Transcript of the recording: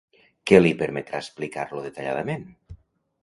Què li permetrà explicar-lo detalladament?